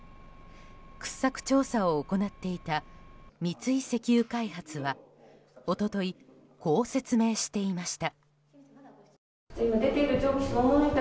掘削調査を行っていた三井石油開発は一昨日、こう説明していました。